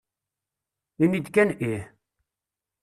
Ini-d kan ih!